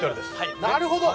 なるほど。